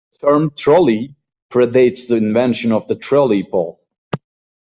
The term "trolley" predates the invention of the trolley pole.